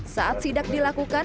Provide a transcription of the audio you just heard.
saat sidak dilakukan